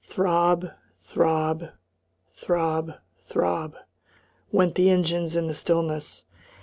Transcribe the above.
Throb, throb, throb, throb, went the engines in the stillness.